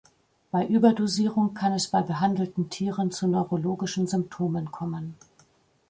Bei Überdosierung kann es bei behandelten Tieren zu neurologischen Symptomen kommen.